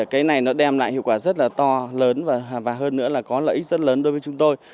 cái này nó đem lại hiệu quả rất là to lớn và hơn nữa là có lợi ích rất lớn đối với chúng tôi